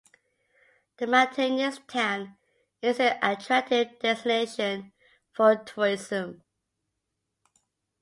The mountainous town is an attractive destination for tourism.